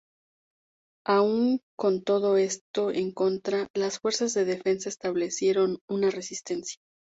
Aun con todo esto en contra, las Fuerzas de Defensa establecieron una resistencia.